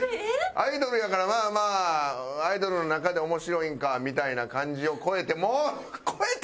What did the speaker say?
アイドルやからまあまあアイドルの中で面白いんかみたいな感じを超えてもう超えて！